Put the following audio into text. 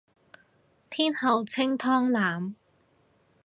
天后清湯腩